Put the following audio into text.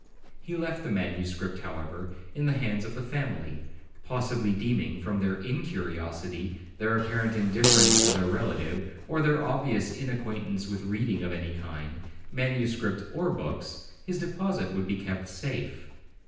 He left the manuscript, however, in the hands of the family, possibly deeming, from their incuriosity, their apparent indifference to their relative, or their obvious inacquaintance with reading of any kind, manuscript or books, his deposit would be safe.